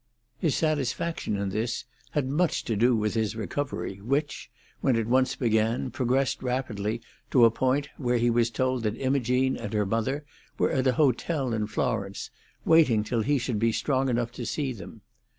His satisfaction in this had much to do with his recovery, which, when it once began, progressed rapidly to a point where he was told that Imogene and her mother were at a hotel in Florence, waiting till he should be strong enough to see them.